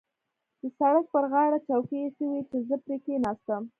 د سړک پر غاړه چوکۍ اېښې وې چې زه پرې کېناستم.